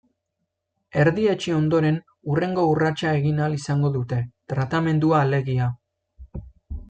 Erdietsi ondoren, hurrengo urratsa egin ahal izango dute, tratamendua alegia.